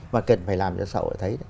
mà cần phải làm cho xã hội thấy